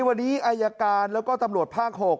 วันนี้อายการแล้วก็ตำรวจภาค๖